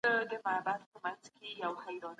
مرتد د خپل جنایت په خاطر له ژوند محرومیږي.